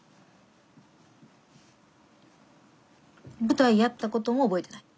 舞台やった事も覚えてない？